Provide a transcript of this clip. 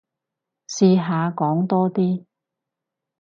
試下講多啲